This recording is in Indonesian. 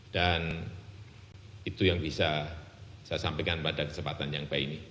dan itu yang bisa saya sampaikan pada kesempatan yang baik ini